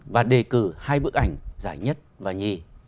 và đề cử hai bức ảnh giải nhất và nhì